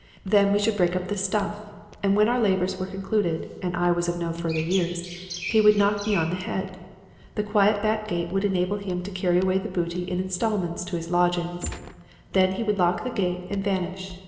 Then we should break up the 'stuff,' and when our labors were concluded, and I was of no further use, he would knock me on the head. The quiet back gate would enable him to carry away the booty in instalments to his lodgings. Then he would lock the gate and vanish.